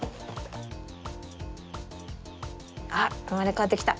あっうまれかわってきた。